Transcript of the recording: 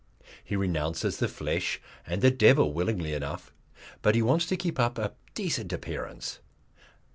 He renounces the flesh and the devil willingly enough, but he wants to keep up a decent appearance.